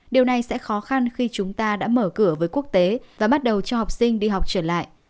điều này sẽ khó khăn khi chúng ta đã mở cửa với quốc tế và bắt đầu cho học sinh đi học trở lại